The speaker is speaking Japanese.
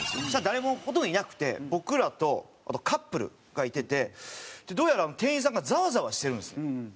そしたら誰もほとんどいなくて僕らとあとカップルがいててどうやら店員さんがザワザワしてるんですよ。